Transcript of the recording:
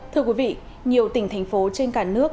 thưa quý vị nhiều tỉnh thành phố trên cả nước